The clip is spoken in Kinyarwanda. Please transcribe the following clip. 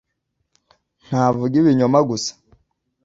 ntavuga ibinyoma gusa